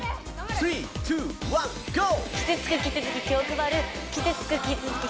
３２１ＧＯ！